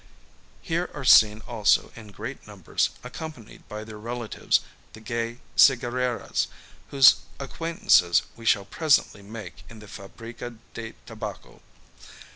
Here are seen also in great numbers, accompanied by their relatives, the gay cigarreras, whose acquaintance we shall presently make in the fabrica de tabaco.